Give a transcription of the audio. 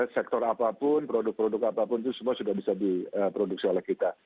sektor apapun produk produk apapun itu semua sudah bisa diproduksi oleh kita